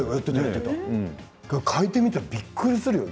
書いてみたらびっくりするよ